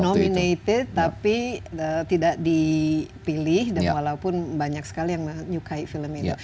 nominated tapi tidak dipilih walaupun banyak sekali yang menyukai film ini